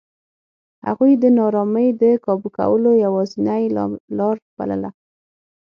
هغوی د نارامۍ د کابو کولو یوازینۍ لار بلله.